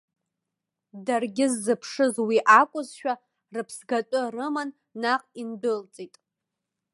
Даргьы ззыԥшыз уи акәызшәа, рыԥсгатәы рыман наҟ индәылҵит.